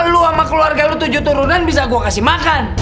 lu sama keluarga lu tujuh turunan bisa gue kasih makan